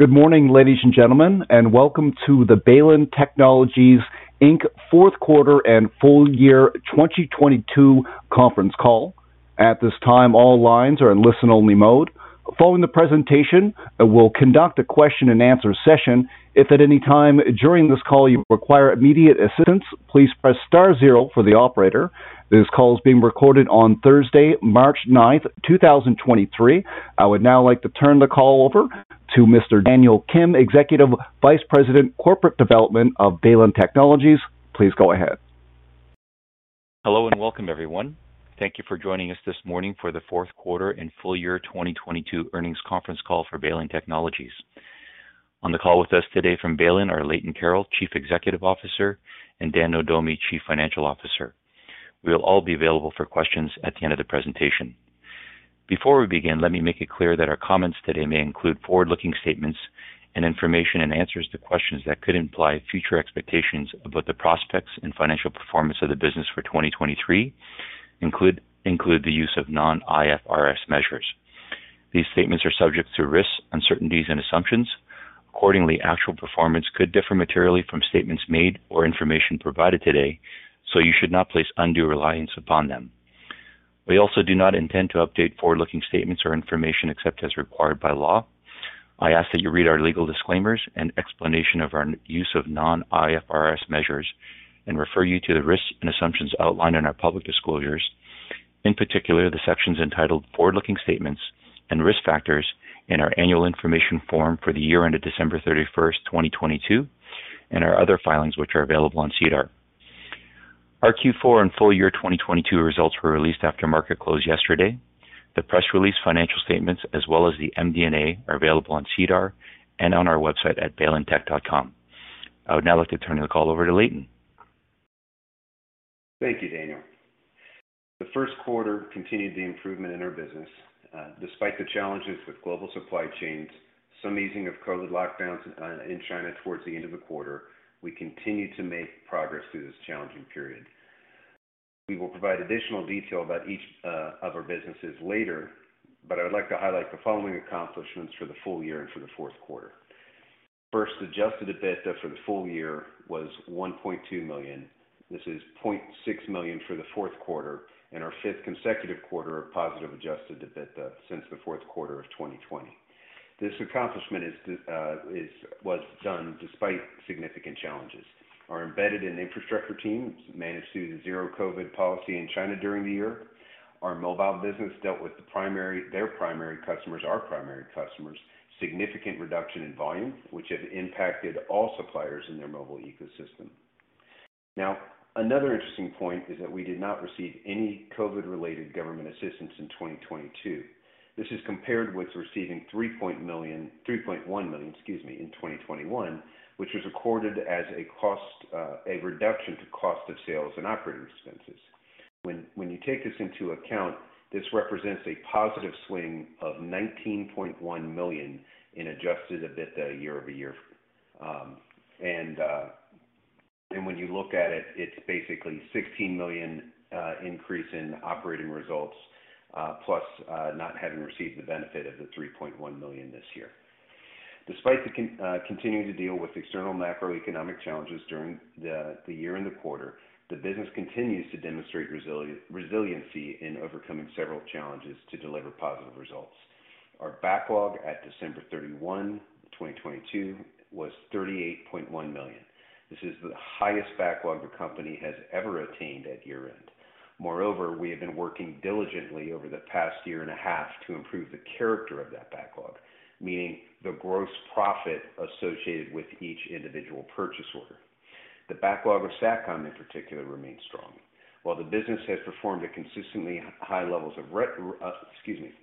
Good morning, ladies and gentlemen, and welcome to the Baylin Technologies Inc. fourth quarter and full year 2022 conference call. At this time, all lines are in listen only mode. Following the presentation, we'll conduct a question and answer session. If at any time during this call you require immediate assistance, please press star zero for the operator. This call is being recorded on Thursday, March 9th, 2023. I would now like to turn the call over to Mr. Daniel Kim, Executive Vice President, Corporate Development of Baylin Technologies. Please go ahead. Hello and welcome, everyone. Thank you for joining us this morning for the fourth quarter and full year 2022 earnings conference call for Baylin Technologies. On the call with us today from Baylin are Leighton Carroll, Chief Executive Officer, and Dan Nohdomi, Chief Financial Officer. We'll all be available for questions at the end of the presentation. Before we begin, let me make it clear that our comments today may include forward-looking statements and information, and answers to questions that could imply future expectations about the prospects and financial performance of the business for 2023 include the use of non-IFRS measures. These statements are subject to risks, uncertainties and assumptions. Actual performance could differ materially from statements made or information provided today. You should not place undue reliance upon them. We also do not intend to update forward-looking statements or information except as required by law. I ask that you read our legal disclaimers and explanation of our use of non-IFRS measures. Refer you to the risks and assumptions outlined in our public disclosures, in particular, the sections entitled Forward-Looking Statements and Risk Factors in our Annual Information Form for the year ended December 31st, 2022, and our other filings, which are available on SEDAR. Our Q4 and full year 2022 results were released after market close yesterday. The press release financial statements as well as the MD&A are available on SEDAR and on our website at baylintech.com. I would now like to turn the call over to Leighton. Thank you, Daniel. The first quarter continued the improvement in our business. Despite the challenges with global supply chains, some easing of COVID lockdowns in China towards the end of the quarter, we continued to make progress through this challenging period. We will provide additional detail about each of our businesses later, but I would like to highlight the following accomplishments for the full year and for the fourth quarter. First, adjusted EBITDA for the full year was 1.2 million. This is 0.6 million for the fourth quarter and our fifth consecutive quarter of positive adjusted EBITDA since the fourth quarter of 2020. This accomplishment was done despite significant challenges. Our embedded and infrastructure teams managed through the zero COVID policy in China during the year. Our mobile business dealt with our primary customers, significant reduction in volume, which has impacted all suppliers in their mobile ecosystem. Another interesting point is that we did not receive any COVID-related government assistance in 2022. This is compared with receiving 3.1 million in 2021, which was recorded as a cost, a reduction to cost of sales and operating expenses. When you take this into account, this represents a positive swing of 19.1 million in adjusted EBITDA year-over-year. When you look at it's basically 16 million increase in operating results plus not having received the benefit of the 3.1 million this year. Despite continuing to deal with external macroeconomic challenges during the year and the quarter, the business continues to demonstrate resiliency in overcoming several challenges to deliver positive results. Our backlog at December 31, 2022 was 38.1 million. This is the highest backlog the company has ever attained at year-end. Moreover, we have been working diligently over the past 1.5 years to improve the character of that backlog, meaning the gross profit associated with each individual purchase order. The backlog of Satcom, in particular, remains strong. While the business has performed at consistently high levels of revenue attainment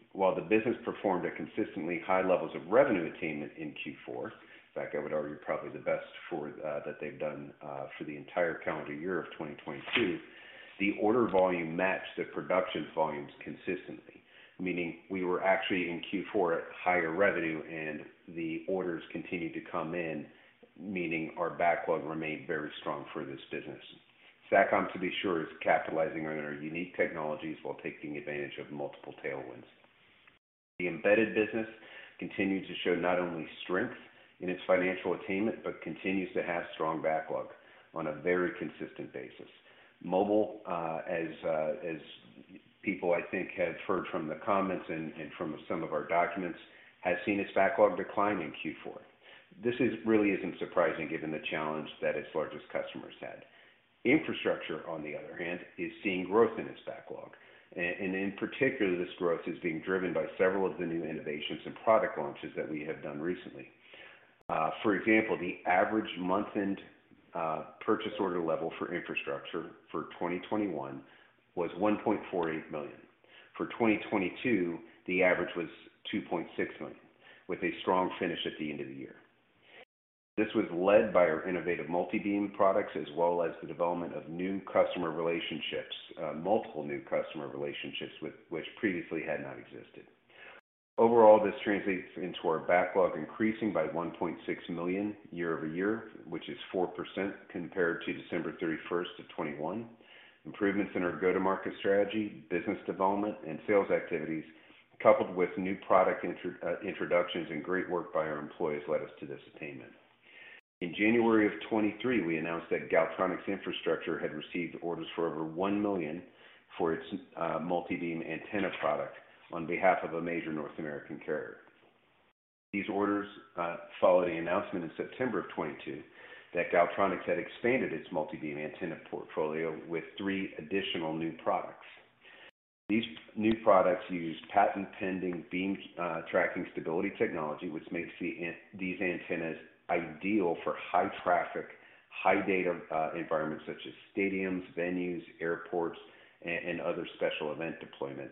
in Q4, in fact, I would argue probably the best for that they've done for the entire calendar year of 2022, the order volume matched the production volumes consistently, meaning we were actually in Q4 at higher revenue and the orders continued to come in, meaning our backlog remained very strong for this business. Satcom, to be sure, is capitalizing on our unique technologies while taking advantage of multiple tailwinds. The embedded business continued to show not only strength in its financial attainment, but continues to have strong backlog on a very consistent basis. Mobile, as people I think have heard from the comments and from some of our documents, has seen its backlog decline in Q4. This is really isn't surprising given the challenge that its largest customers had. Infrastructure, on the other hand, is seeing growth in its backlog. In particular, this growth is being driven by several of the new innovations and product launches that we have done recently. For example, the average month-end purchase order level for infrastructure for 2021 was 1.48 million. For 2022, the average was 2.6 million, with a strong finish at the end of the year. This was led by our innovative multibeam products, as well as the development of new customer relationships, multiple new customer relationships with which previously had not existed. Overall, this translates into our backlog increasing by 1.6 million year-over-year, which is 4% compared to December 31st of 2021. Improvements in our go-to-market strategy, business development, and sales activities, coupled with new product introductions and great work by our employees led us to this attainment. In January of 2023, we announced that Galtronics infrastructure had received orders for over 1 million for its multibeam antenna product on behalf of a major North American carrier. These orders follow the announcement in September of 2022 that Galtronics had expanded its multibeam antenna portfolio with three additional new products. These new products use patent-pending beam-tracking stability technology, which makes these antennas ideal for high traffic, high data environments such as stadiums, venues, airports, and other special event deployments.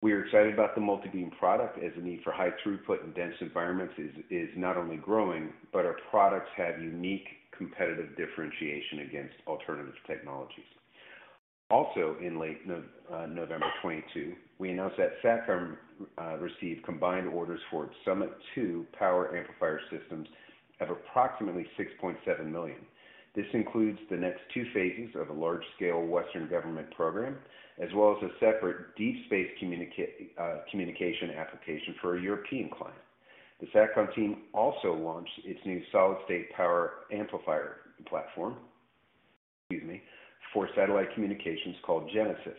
We are excited about the multibeam product as the need for high throughput in dense environments is not only growing, but our products have unique competitive differentiation against alternative technologies. In late November of 2022, we announced that Satcom received combined orders for its Summit II power amplifier systems of approximately 6.7 million. This includes the next two phases of a large-scale Western government program, as well as a separate deep space communication application for a European client. The Satcom team also launched its new solid-state power amplifier platform, excuse me, for satellite communications called Genesis.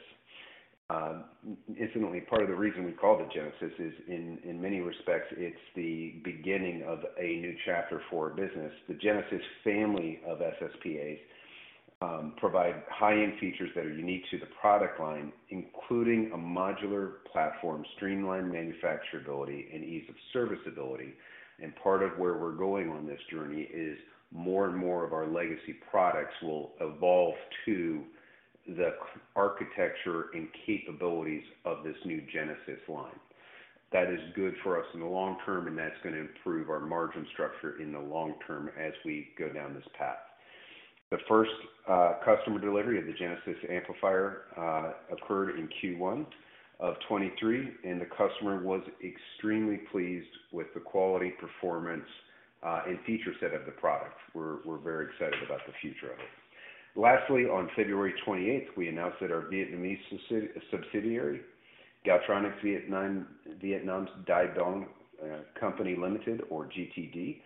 Incidentally, part of the reason we called it Genesis is in many respects, it's the beginning of a new chapter for our business. The Genesis family of SSPAs provide high-end features that are unique to the product line, including a modular platform, streamlined manufacturability, and ease of serviceability. And part of where we're going on this journey is more and more of our legacy products will evolve to the architecture and capabilities of this new Genesis line. That is good for us in the long term, and that's gonna improve our margin structure in the long term as we go down this path. The first customer delivery of the Genesis amplifier occurred in Q1 of 2023, and the customer was extremely pleased with the quality, performance, and feature set of the product. We're very excited about the future of it. Lastly, on February 28th, we announced that our Vietnamese subsidiary, Galtronics Vietnam Dai Dong Company Limited or GTD,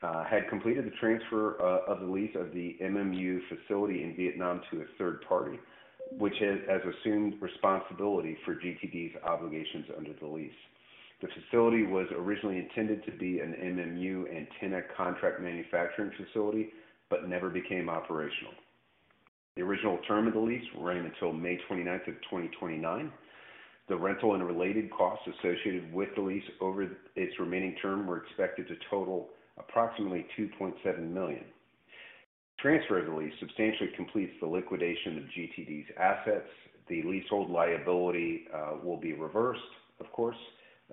had completed the transfer of the lease of the MMU facility in Vietnam to a third party, which has assumed responsibility for GTD's obligations under the lease. The facility was originally intended to be an MMU antenna contract manufacturing facility but never became operational. The original term of the lease ran until May 29th of 2029. The rental and related costs associated with the lease over its remaining term were expected to total approximately 2.7 million. The transfer of the lease substantially completes the liquidation of GTD's assets. The leasehold liability will be reversed, of course.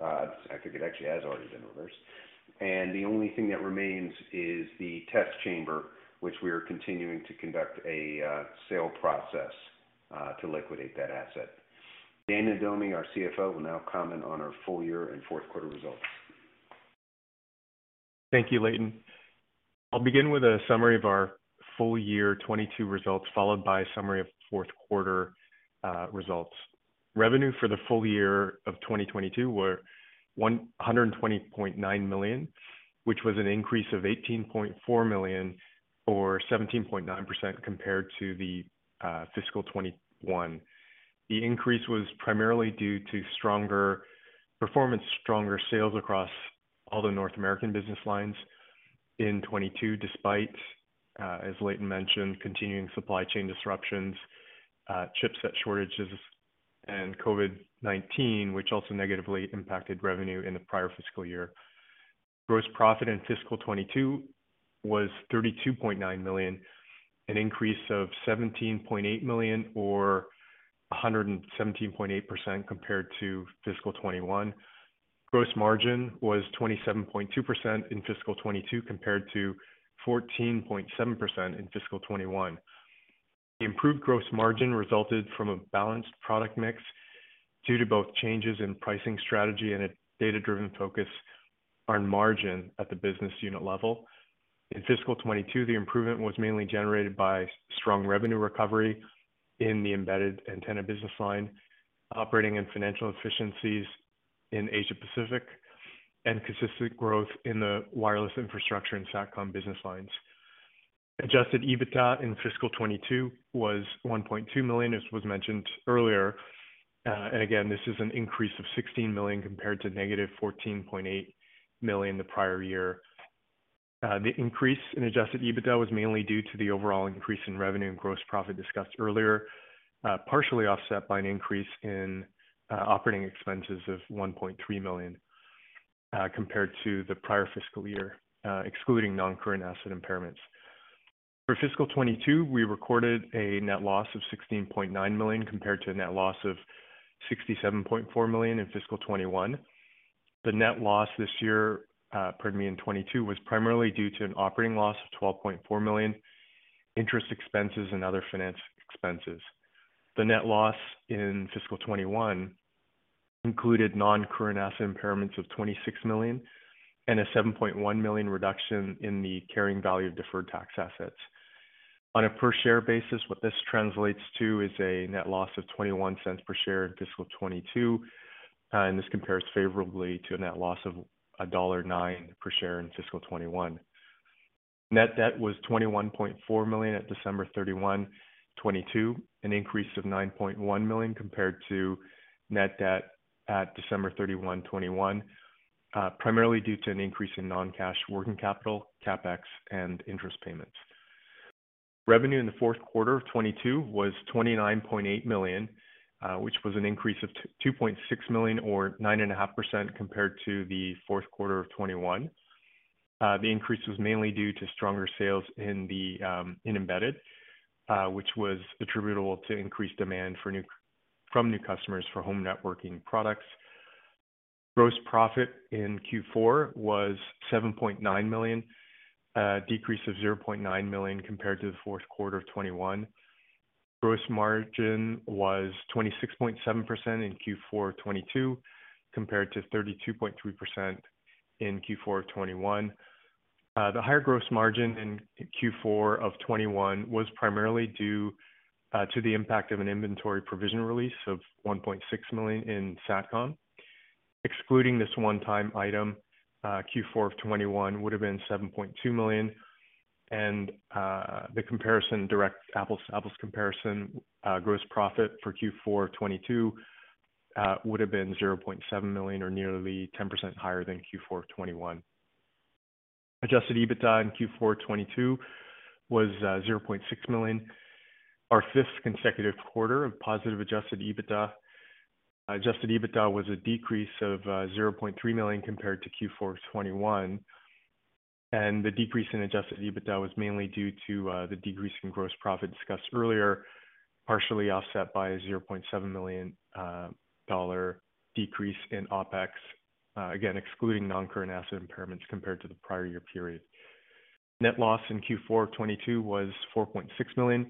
I think it actually has already been reversed. The only thing that remains is the test chamber, which we are continuing to conduct a sale process to liquidate that asset. Dan Nohdomi, our CFO, will now comment on our full year and fourth quarter results. Thank you, Leighton. I'll begin with a summary of our full year 2022 results, followed by a summary of fourth quarter results. Revenue for the full year of 2022 were 120.9 million, which was an increase of 18.4 million or 17.9% compared to the fiscal 2021. The increase was primarily due to stronger performance, stronger sales across all the North American business lines in 2022, despite as Leighton mentioned, continuing supply chain disruptions, chipset shortages and COVID-19, which also negatively impacted revenue in the prior fiscal year. Gross profit in fiscal 2022 was 32.9 million, an increase of 17.8 million or 117.8% compared to fiscal 2021. Gross margin was 27.2% in fiscal 2022 compared to 14.7% in fiscal 2021. The improved gross margin resulted from a balanced product mix due to both changes in pricing strategy and a data-driven focus on margin at the business unit level. In fiscal 2022, the improvement was mainly generated by strong revenue recovery in the embedded antenna business line, operating and financial efficiencies in Asia Pacific, and consistent growth in the wireless infrastructure in Satcom business lines. Adjusted EBITDA in fiscal 2022 was 1.2 million, as was mentioned earlier. Again, this is an increase of 16 million compared to negative 14.8 million the prior year. The increase in Adjusted EBITDA was mainly due to the overall increase in revenue and gross profit discussed earlier, partially offset by an increase in operating expenses of 1.3 million compared to the prior fiscal year, excluding non-current asset impairments. For fiscal 2022, we recorded a net loss of 16.9 million compared to a net loss of 67.4 million in fiscal 2021. The net loss this year, pardon me, in 2022 was primarily due to an operating loss of 12.4 million, interest expenses, and other finance expenses. The net loss in fiscal 2021 included non-current asset impairments of 26 million and a 7.1 million reduction in the carrying value of deferred tax assets. On a per share basis, what this translates to is a net loss of 0.21 per share in fiscal 2022, and this compares favorably to a net loss of dollar 1.09 per share in fiscal 2021. Net debt was 21.4 million at December 31, 2022, an increase of 9.1 million compared to net debt at December 31, 2021, primarily due to an increase in non-cash working capital, CapEx and interest payments. Revenue in the fourth quarter of 2022 was 29.8 million, which was an increase of 2.6 million or 9.5% compared to the fourth quarter of 2021. The increase was mainly due to stronger sales in the Embedded, which was attributable to increased demand from new customers for home networking products. Gross profit in Q4 was 7.9 million, a decrease of 0.9 million compared to the fourth quarter of 2021. Gross margin was 26.7% in Q4 2022 compared to 32.3% in Q4 2021. The higher gross margin in Q4 of 2021 was primarily due to the impact of an inventory provision release of 1.6 million in Satcom. Excluding this one time item, Q4 of 2021 would have been 7.2 million. The comparison direct apples comparison, gross profit for Q4 2022 would have been 0.7 million or nearly 10% higher than Q4 2021. Adjusted EBITDA in Q4 2022 was 0.6 million, our fifth consecutive quarter of positive adjusted EBITDA. Adjusted EBITDA was a decrease of 0.3 million compared to Q4 2021. The decrease in Adjusted EBITDA was mainly due to the decrease in gross profit discussed earlier, partially offset by a 0.7 million dollar decrease in OpEx, again, excluding non-current asset impairments compared to the prior year period. Net loss in Q4 2022 was 4.6 million,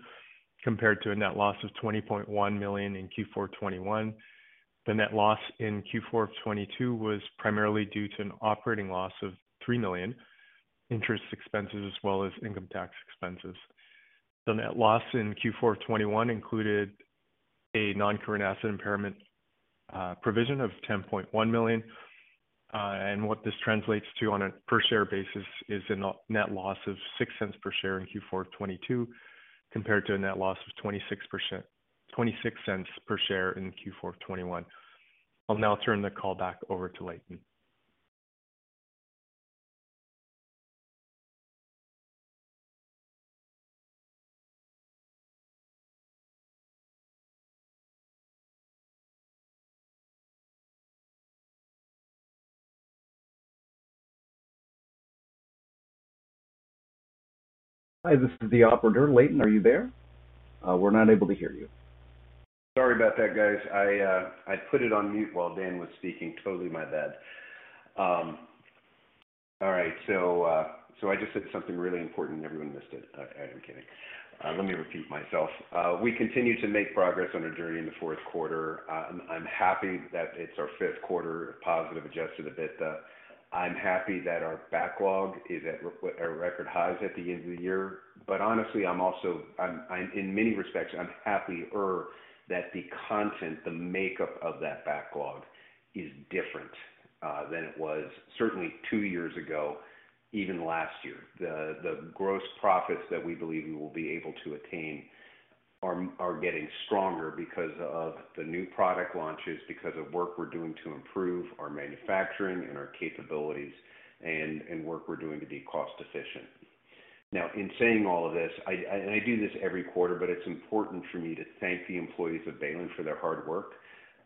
compared to a net loss of 20.1 million in Q4 2021. The net loss in Q4 2022 was primarily due to an operating loss of 3 million interest expenses as well as income tax expenses. The net loss in Q4 2021 included a non-current asset impairment provision of 10.1 million. What this translates to on a per share basis is a net loss of 0.06 per share in Q4 of 2022, compared to a net loss of 0.26 per share in Q4 of 2021. I'll now turn the call back over to Leighton. Hi, this is the operator. Leighton, are you there? We're not able to hear you. Sorry about that, guys. I put it on mute while Dan was speaking. Totally my bad. All right. I just said something really important and everyone missed it. I'm kidding. Let me repeat myself. We continue to make progress on our journey in the fourth quarter. I'm happy that it's our fifth quarter positive adjusted EBITDA. I'm happy that our backlog is at record highs at the end of the year. Honestly, I'm in many respects, I'm happier that the content, the makeup of that backlog is different than it was certainly two years ago, even last year. The gross profits that we believe we will be able to attain are getting stronger because of the new product launches, because of work we're doing to improve our manufacturing and our capabilities and work we're doing to be cost efficient. In saying all of this, I do this every quarter, but it's important for me to thank the employees of Baylin for their hard work.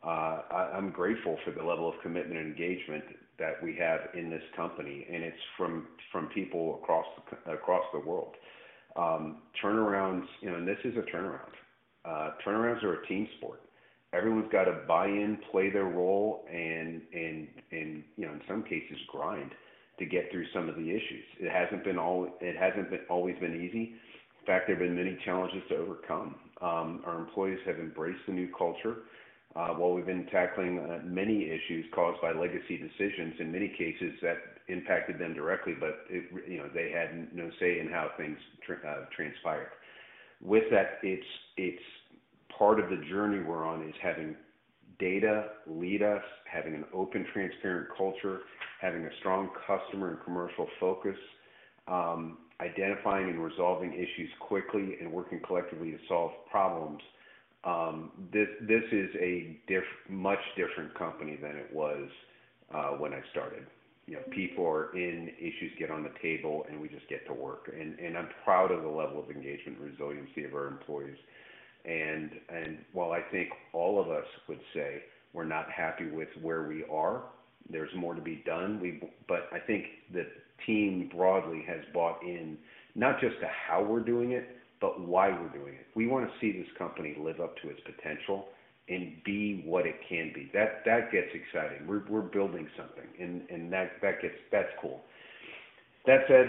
I'm grateful for the level of commitment and engagement that we have in this company, and it's from people across the world. Turnarounds, you know, and this is a turnaround. Turnarounds are a team sport. Everyone's got to buy in, play their role and, you know, in some cases grind to get through some of the issues. It hasn't been always been easy. In fact, there have been many challenges to overcome. Our employees have embraced the new culture, while we've been tackling many issues caused by legacy decisions in many cases that impacted them directly. But you know, they had no say in how things transpired. With that, it's part of the journey we're on is having data lead us, having an open, transparent culture, having a strong customer and commercial focus, identifying and resolving issues quickly and working collectively to solve problems. This is a much different company than it was when I started. You know, people are in, issues get on the table, and we just get to work. And I'm proud of the level of engagement and resiliency of our employees. While I think all of us would say we're not happy with where we are, there's more to be done. I think the team broadly has bought in not just to how we're doing it, but why we're doing it. We wanna see this company live up to its potential and be what it can be. That gets exciting. We're building something and that's cool. That said,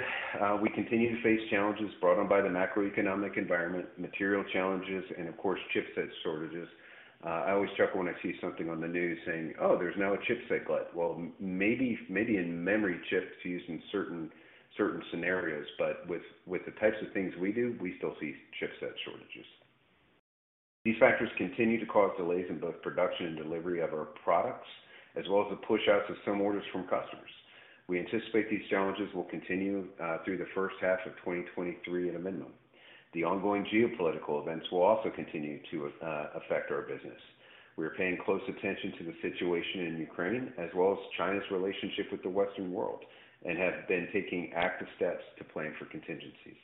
we continue to face challenges brought on by the macroeconomic environment. Material challenges and of course, chipset shortages. I always chuckle when I see something on the news saying, "Oh, there's now a chipset glut." Well, maybe in memory chips used in certain scenarios, but with the types of things we do, we still see chipset shortages. These factors continue to cause delays in both production and delivery of our products, as well as the pushouts of some orders from customers. We anticipate these challenges will continue through the first half of 2023 at a minimum. The ongoing geopolitical events will also continue to affect our business. We are paying close attention to the situation in Ukraine, as well as China's relationship with the Western world, and have been taking active steps to plan for contingencies.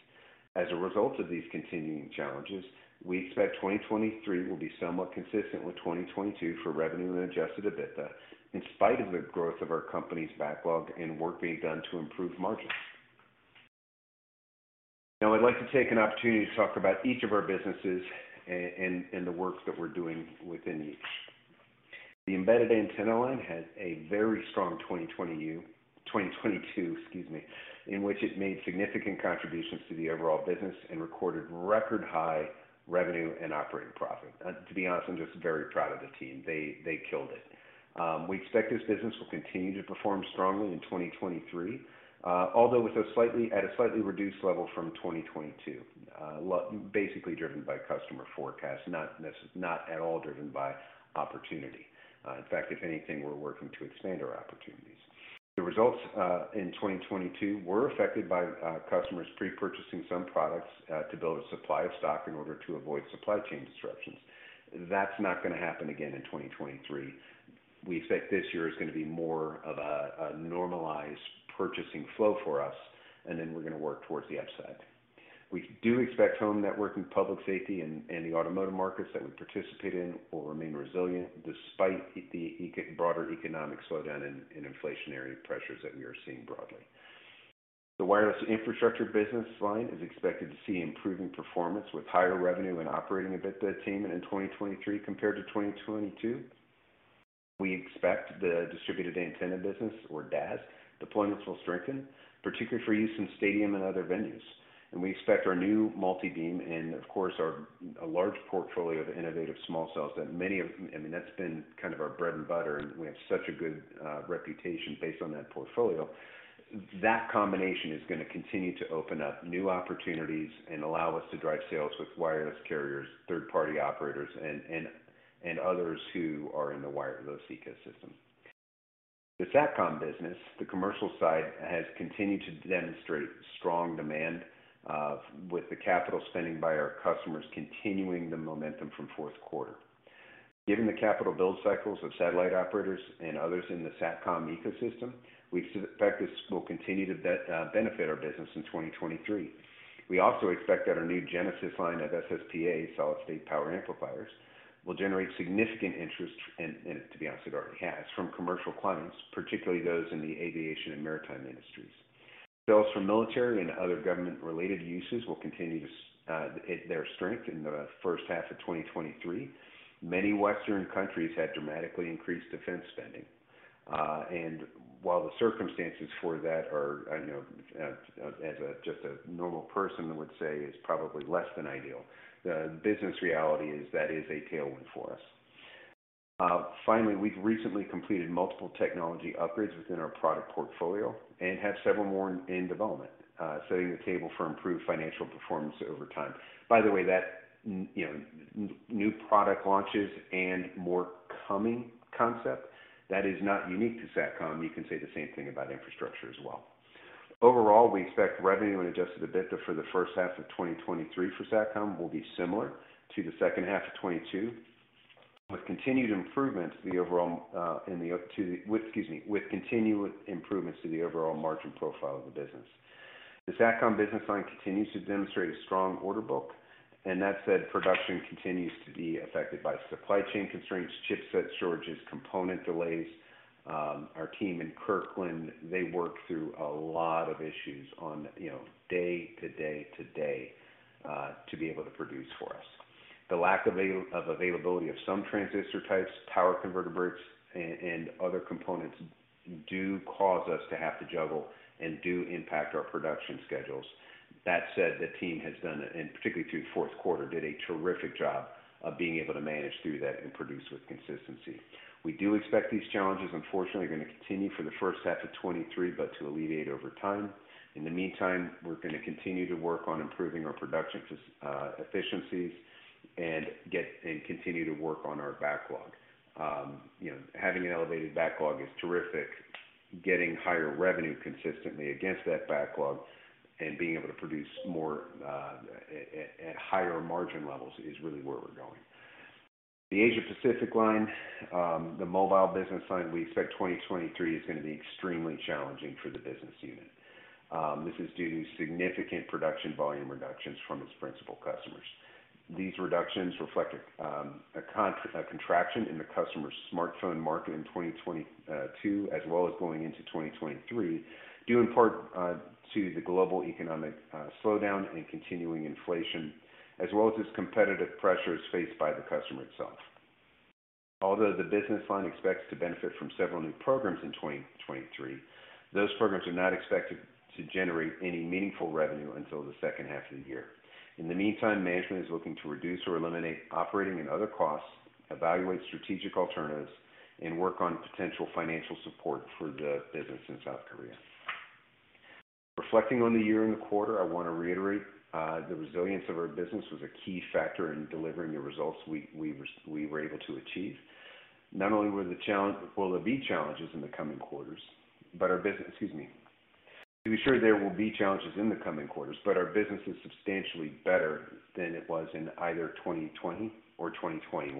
As a result of these continuing challenges, we expect 2023 will be somewhat consistent with 2022 for revenue and adjusted EBITDA, in spite of the growth of our company's backlog and work being done to improve margins. I'd like to take an opportunity to talk about each of our businesses and the works that we're doing within each. The embedded antenna line had a very strong 2022, excuse me, in which it made significant contributions to the overall business and recorded record high revenue and operating profit. To be honest, I'm just very proud of the team. They killed it. We expect this business will continue to perform strongly in 2023, although at a slightly reduced level from 2022. Basically driven by customer forecast, not at all driven by opportunity. In fact, if anything, we're working to expand our opportunities. The results in 2022 were affected by customers pre-purchasing some products to build a supply of stock in order to avoid supply chain disruptions. That's not gonna happen again in 2023. We expect this year is gonna be more of a normalized purchasing flow for us, and then we're gonna work towards the upside. We do expect home network and public safety in the automotive markets that we participate in will remain resilient despite the broader economic slowdown and inflationary pressures that we are seeing broadly. The wireless infrastructure business line is expected to see improving performance with higher revenue and operating EBITDA attainment in 2023 compared to 2022. We expect the distributed antenna business or DAS deployments will strengthen, particularly for use in stadium and other venues. We expect our new multibeam and of course, our large portfolio of innovative small cells that I mean, that's been kind of our bread and butter, and we have such a good reputation based on that portfolio. That combination is gonna continue to open up new opportunities and allow us to drive sales with wireless carriers, third-party operators, and others who are in the wireless ecosystem. The Satcom business, the commercial side, has continued to demonstrate strong demand with the capital spending by our customers continuing the momentum from fourth quarter. Given the capital build cycles of satellite operators and others in the Satcom ecosystem, we expect this will continue to benefit our business in 2023. We also expect that our new Genesis line of SSPA, solid-state power amplifiers, will generate significant interest and to be honest, it already has, from commercial clients, particularly those in the aviation and maritime industries. Sales from military and other government-related uses will continue their strength in the first half of 2023. Many Western countries have dramatically increased defense spending. While the circumstances for that are, I know, as just a normal person would say, is probably less than ideal, the business reality is that is a tailwind for us. Finally, we've recently completed multiple technology upgrades within our product portfolio and have several more in development, setting the table for improved financial performance over time. By the way, that you know, new product launches and more coming concept, that is not unique to Satcom. You can say the same thing about infrastructure as well. Overall, we expect revenue and adjusted EBITDA for the first half of 2023 for Satcom will be similar to the second half of 2022, with continued improvements to the overall margin profile of the business. The Satcom business line continues to demonstrate a strong order book, and that said, production continues to be affected by supply chain constraints, chipset shortages, component delays. Our team in Kirkland, they work through a lot of issues on, you know, day to day to day, to be able to produce for us. The lack of availability of some transistor types, power converter bricks, and other components do cause us to have to juggle and do impact our production schedules. That said, the team has done, and particularly through fourth quarter, did a terrific job of being able to manage through that and produce with consistency. We do expect these challenges, unfortunately, are gonna continue for the first half of 2023, but to alleviate over time. In the meantime, we're gonna continue to work on improving our production efficiencies and continue to work on our backlog. You know, having an elevated backlog is terrific. Getting higher revenue consistently against that backlog and being able to produce more at higher margin levels is really where we're going. The Asia Pacific line, the mobile business line, we expect 2023 is gonna be extremely challenging for the business unit. This is due to significant production volume reductions from its principal customers. These reductions reflect a contraction in the customer's smartphone market in 2022 as well as going into 2023, due in part, to the global economic slowdown and continuing inflation, as well as competitive pressures faced by the customer itself. The business line expects to benefit from several new programs in 2023, those programs are not expected to generate any meaningful revenue until the second half of the year. In the meantime, management is looking to reduce or eliminate operating and other costs, evaluate strategic alternatives, and work on potential financial support for the business in South Korea. Reflecting on the year and the quarter, I wanna reiterate, the resilience of our business was a key factor in delivering the results we were able to achieve. To be sure there will be challenges in the coming quarters, but our business is substantially better than it was in either 2020 or 2021.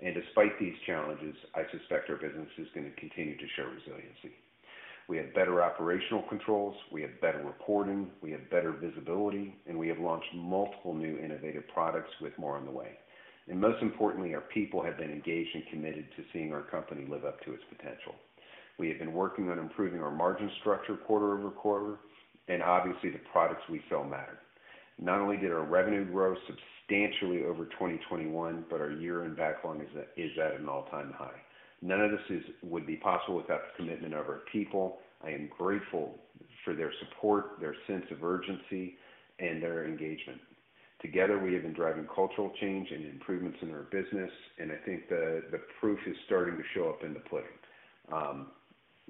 Despite these challenges, I suspect our business is gonna continue to show resiliency. We have better operational controls, we have better reporting, we have better visibility, and we have launched multiple new innovative products with more on the way. Most importantly, our people have been engaged and committed to seeing our company live up to its potential. We have been working on improving our margin structure quarter-over-quarter, obviously the products we sell matter. Not only did our revenue grow substantially over 2021, but our year-end backlog is at an all-time high. None of this would be possible without the commitment of our people. I am grateful for their support, their sense of urgency, and their engagement. Together, we have been driving cultural change and improvements in our business. I think the proof is starting to show up in the pudding.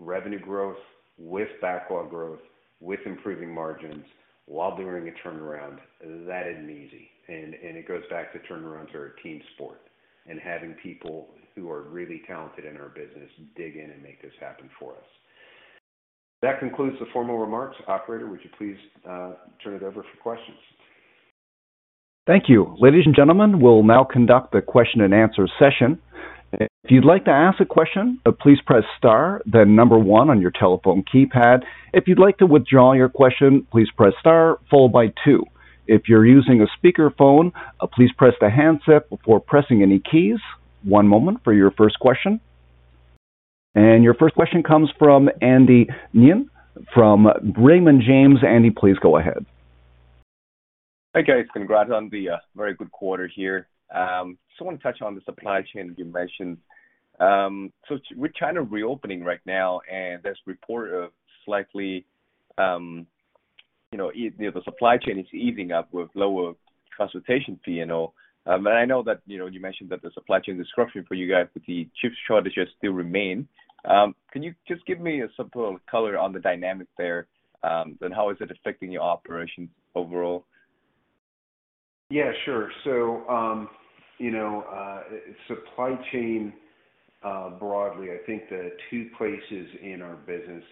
Revenue growth with backlog growth, with improving margins while doing a turnaround, that isn't easy. It goes back to turnarounds are a team sport, and having people who are really talented in our business dig in and make this happen for us. That concludes the formal remarks. Operator, would you please turn it over for questions? Thank you. Ladies and gentlemen, we'll now conduct the question and answer session. If you'd like to ask a question, please press star then one on your telephone keypad. If you'd like to withdraw your question, please press star followed by two. If you're using a speakerphone, please press the handset before pressing any keys. One moment for your first question. Your first question comes from Andy Nyhan from Brean Capital. Andy, please go ahead. Hey, guys. Congrats on the very good quarter here. Just wanna touch on the supply chain that you mentioned. With China reopening right now and this report of slightly, you know, the supply chain is easing up with lower congestion-fee and all. I know that, you know, you mentioned that the supply chain disruption for you guys with the chip shortages still remain. Can you just give me a simple color on the dynamic there, how is it affecting your operations overall? Yeah, sure. You know, supply chain broadly, I think the two places in our business.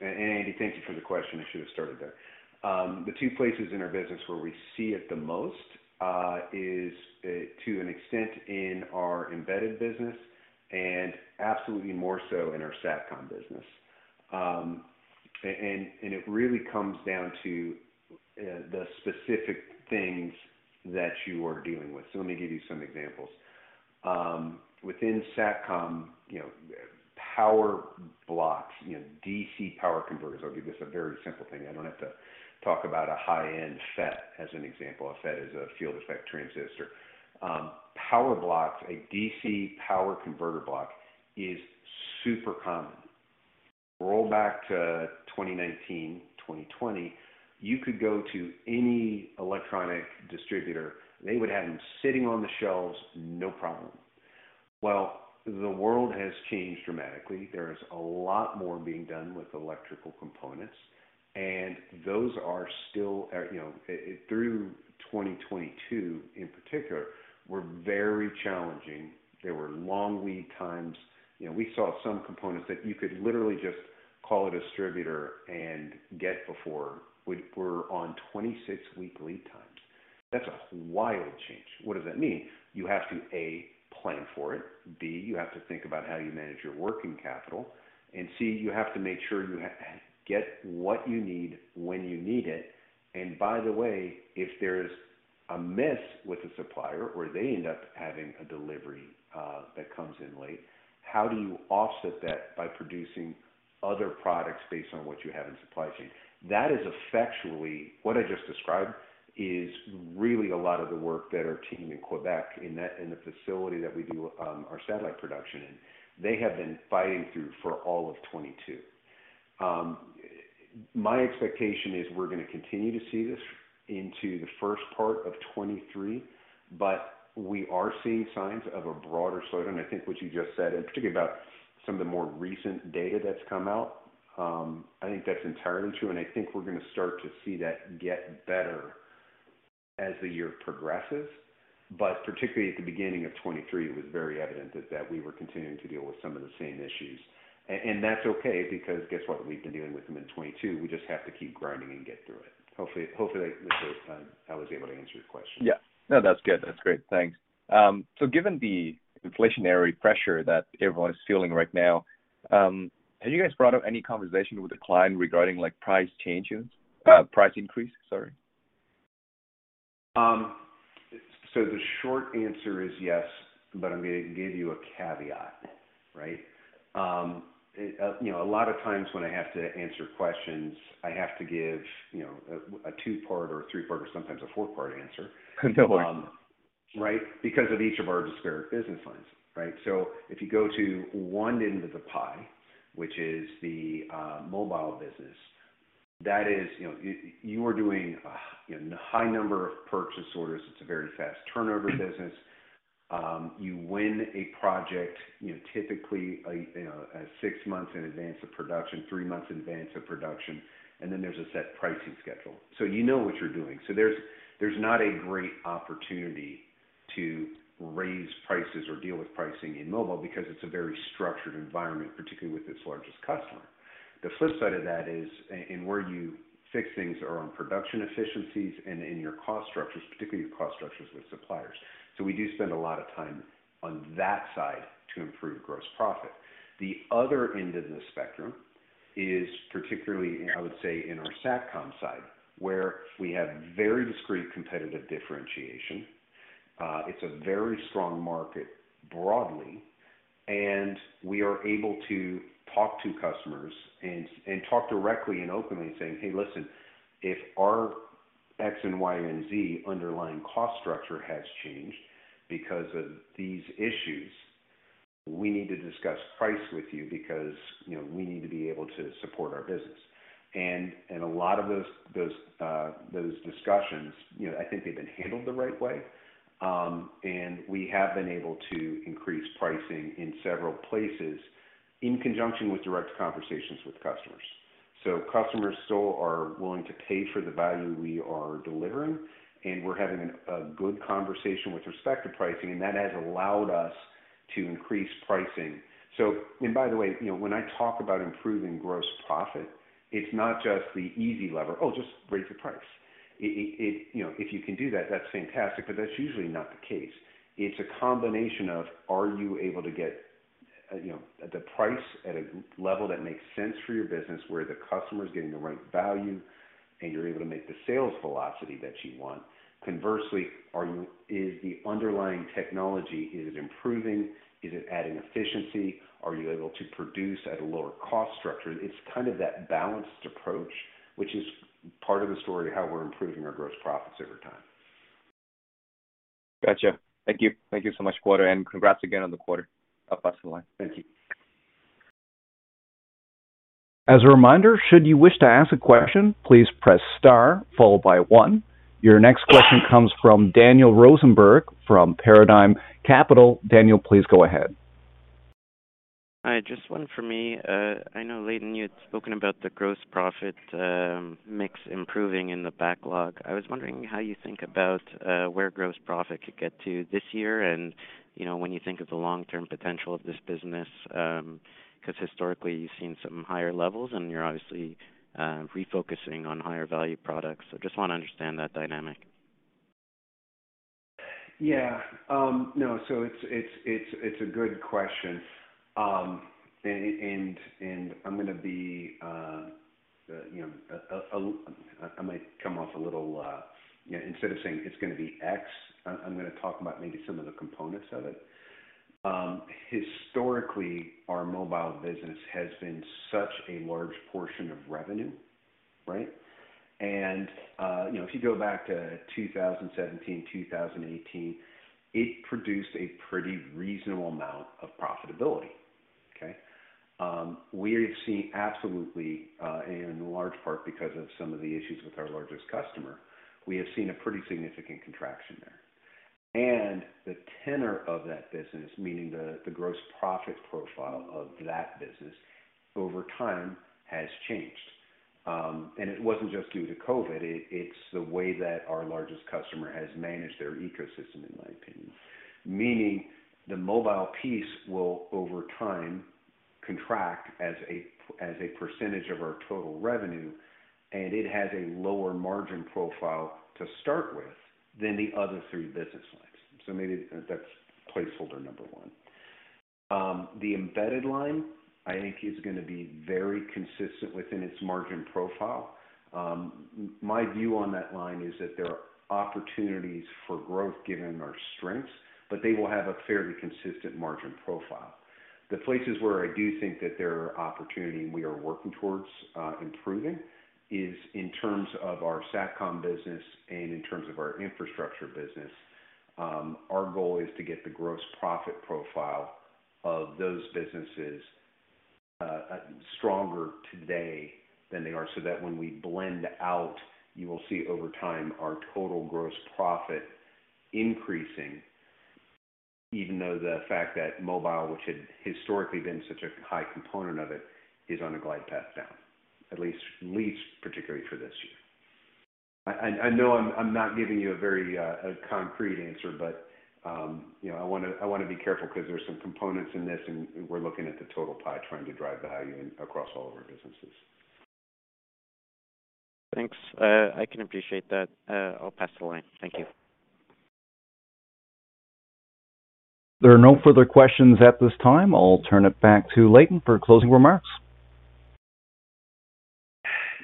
Andy, thank you for the question. I should have started there. The two places in our business where we see it the most is to an extent in our embedded business and absolutely more so in our Satcom business. And it really comes down to the specific things that you are dealing with. Let me give you some examples. Within Satcom, you know, power blocks, you know, DC power converters. I'll give this a very simple thing. I don't have to talk about a high-end FET as an example. A FET is a field-effect transistor. Power blocks, a DC power converter block is super common. Roll back to 2019, 2020, you could go to any electronic distributor, they would have them sitting on the shelves, no problem. Well, the world has changed dramatically. There is a lot more being done with electrical components, those are still, you know, through 2022 in particular, were very challenging. There were long lead times. You know, we saw some components that you could literally just call a distributor and get before. We're on 26-week lead times. That's a wild change. What does that mean? You have to, A, plan for it, B, you have to think about how you manage your working capital, and C, you have to make sure you get what you need when you need it. By the way, if there's a miss with the supplier or they end up having a delivery that comes in late, how do you offset that by producing other products based on what you have in supply chain? That is effectually what I just described, is really a lot of the work that our team in Quebec in the facility that we do, our satellite production in, they have been fighting through for all of 2022. My expectation is we're gonna continue to see this into the first part of 2023, but we are seeing signs of a broader slowdown. I think what you just said, and particularly about some of the more recent data that's come out, I think that's entirely true, and I think we're gonna start to see that get better as the year progresses. Particularly at the beginning of 2023, it was very evident that we were continuing to deal with some of the same issues. That's okay because guess what? We've been dealing with them in 2022. We just have to keep grinding and get through it. Hopefully, that was I was able to answer your question. Yeah. No, that's good. That's great. Thanks. Given the inflationary pressure that everyone is feeling right now, have you guys brought up any conversation with the client regarding like price changes? Price increase, sorry. The short answer is yes, I'm gonna give you a caveat. Right. You know, a lot of times when I have to answer questions, I have to give, you know, a two-part or a three-part or sometimes a four-part answer. Right. Because of each of our disparate business lines. If you go to one end of the pie, which is the mobile business, that is, you know, you are doing a, you know, high number of purchase orders. It's a very fast turnover business. You win a project, you know, typically, you know, six months in advance of production, three months in advance of production, and then there's a set pricing schedule. You know what you're doing. There's not a great opportunity to raise prices or deal with pricing in mobile because it's a very structured environment, particularly with its largest customer. The flip side of that is, and where you fix things are on production efficiencies and in your cost structures, particularly your cost structures with suppliers. We do spend a lot of time on that side to improve gross profit. The other end of the spectrum is particularly, I would say, in our Satcom side, where we have very discrete competitive differentiation. It's a very strong market broadly. We are able to talk to customers and talk directly and openly saying, "Hey, listen, if our X and Y and Z underlying cost structure has changed because of these issues, we need to discuss price with you because, you know, we need to be able to support our business." A lot of those discussions, you know, I think they've been handled the right way, and we have been able to increase pricing in several places in conjunction with direct conversations with customers. Customers still are willing to pay for the value we are delivering, and we're having a good conversation with respect to pricing, and that has allowed us to increase pricing. And by the way, you know, when I talk about improving gross profit, it's not just the easy lever, "Oh, just raise the price." It, you know, if you can do that's fantastic, but that's usually not the case. It's a combination of, are you able to get, you know, the price at a level that makes sense for your business, where the customer is getting the right value and you're able to make the sales velocity that you want. Conversely, is the underlying technology, is it improving? Is it adding efficiency? Are you able to produce at a lower cost structure? It's kind of that balanced approach, which is part of the story of how we're improving our gross profits over time. Gotcha. Thank you. Thank you so much, quarter. Congrats again on the quarter. I'll pass the line. Thank you. As a reminder, should you wish to ask a question, please press star followed by one. Your next question comes from Daniel Rosenberg from Paradigm Capital. Daniel, please go ahead. Hi, just one for me. I know Leighton, you had spoken about the gross profit mix improving in the backlog. I was wondering how you think about where gross profit could get to this year and, you know, when you think of the long-term potential of this business, 'cause historically you've seen some higher levels and you're obviously refocusing on higher value products. Just wanna understand that dynamic. Yeah. No. It's a good question. And I'm gonna be, you know, I might come off a little, you know, instead of saying it's gonna be X, I'm gonna talk about maybe some of the components of it. Historically, our mobile business has been such a large portion of revenue, right? You know, if you go back to 2017, 2018, it produced a pretty reasonable amount of profitability, okay? We have seen absolutely, in large part because of some of the issues with our largest customer, we have seen a pretty significant contraction there. The tenor of that business, meaning the gross profit profile of that business over time has changed. It wasn't just due to COVID, it's the way that our largest customer has managed their ecosystem, in my opinion, meaning the mobile piece will over time contract as a percentage of our total revenue, and it has a lower margin profile to start with than the other three business lines. Maybe that's placeholder Number 1. The embedded line, I think is gonna be very consistent within its margin profile. My view on that line is that there are opportunities for growth given our strengths, but they will have a fairly consistent margin profile. The places where I do think that there are opportunity and we are working towards improving is in terms of our Satcom business and in terms of our infrastructure business. Our goal is to get the gross profit profile of those businesses stronger today than they are, so that when we blend out, you will see over time our total gross profit increasing, even though the fact that mobile, which had historically been such a high component of it, is on a glide path down, at least particularly for this year. I know I'm not giving you a very concrete answer, but, you know, I wanna be careful 'cause there's some components in this, and we're looking at the total pie trying to drive value in across all of our businesses. Thanks. I can appreciate that. I'll pass the line. Thank you. There are no further questions at this time. I'll turn it back to Leighton for closing remarks.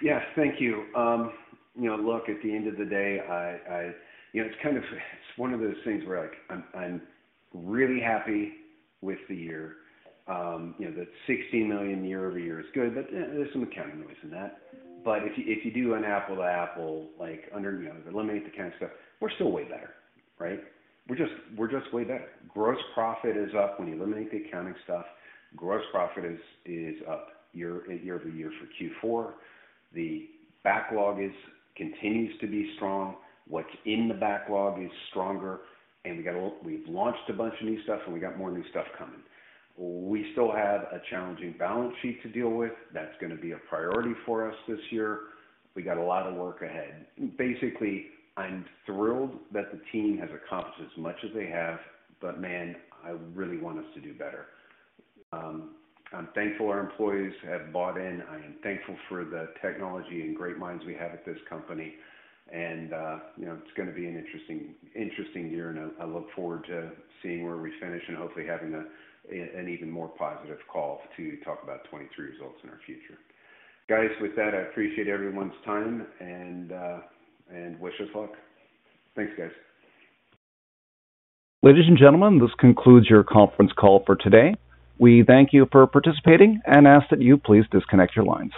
Yes. Thank you. You know, look, at the end of the day, you know, it's kind of, it's one of those things where, like, I'm really happy with the year. You know, the 60 million year-over-year is good, but there's some accounting noise in that. If you, if you do an apple to apple, like under, you know, eliminate the accounting stuff, we're still way better, right? We're just way better. Gross profit is up. When you eliminate the accounting stuff, gross profit is up year-over-year for Q4. The backlog continues to be strong. What's in the backlog is stronger, and we've launched a bunch of new stuff, and we got more new stuff coming. We still have a challenging balance sheet to deal with. That's gonna be a priority for us this year. We got a lot of work ahead. Basically, I'm thrilled that the team has accomplished as much as they have, but man, I really want us to do better. I'm thankful our employees have bought in. I am thankful for the technology and great minds we have at this company. You know, it's gonna be an interesting year, and I look forward to seeing where we finish and hopefully having an even more positive call to talk about 2023 results in our future. Guys, with that, I appreciate everyone's time and wish us luck. Thanks, guys. Ladies and gentlemen, this concludes your conference call for today. We thank you for participating and ask that you please disconnect your lines.